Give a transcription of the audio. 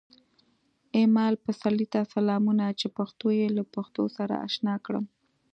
ایمل پسرلي ته سلامونه چې پښتو یې له پښتو سره اشنا کړم